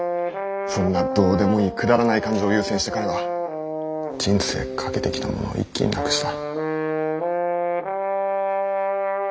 そんなどうでもいいくだらない感情を優先して彼は人生賭けてきたものを一気になくした。